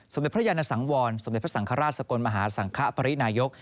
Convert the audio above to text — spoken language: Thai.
สำหรับพระยานสังวรสำหรับพระสังคราชสกลมหาสังขปรินายก